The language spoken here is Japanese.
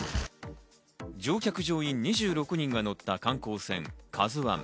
乗客乗員２６人が乗った観光船「ＫＡＺＵ１」。